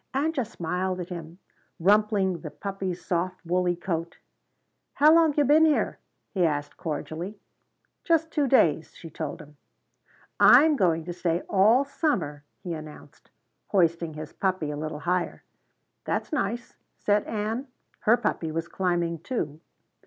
Ann just smiled at him, rumpling the puppy's soft woolly coat. "How long you been here?" he asked cordially. "Just two days," she told him. "I'm going to stay all summer," he announced, hoisting his puppy a little higher. "That's nice," said Ann; her puppy was climbing too.